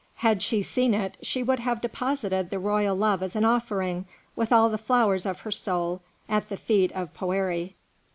Had she seen it, she would have deposited the royal love as an offering, with all the flowers of her soul, at the feet of Poëri.